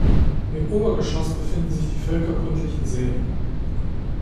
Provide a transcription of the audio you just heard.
Im Obergeschoss befinden sich die völkerkundlichen Säle.